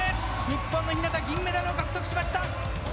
日本の日向銀メダルを獲得しました！